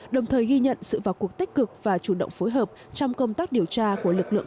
đồng thời ghi nhận sự vào cuộc tích cực và chủ động phối hợp trong công tác điều tra của lực lượng